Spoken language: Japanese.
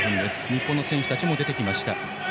日本の選手たちも出てきました。